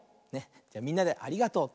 じゃみんなで「ありがとう」。